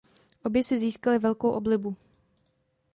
Obě si získaly velkou oblibu.